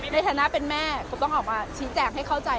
ในฐานะเป็นแม่กุ๊กต้องออกมาชี้แจงให้เข้าใจ